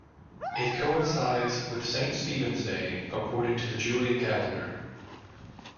It coincides with Saint Stephen's Day according to the Julian calendar.